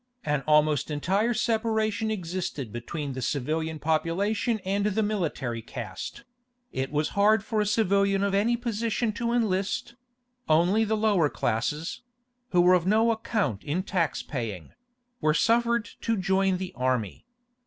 An almost entire separation existed between the civil population and the military caste; it was hard for a civilian of any position to enlist; only the lower classes—who were of no account in tax paying—were suffered to join the army.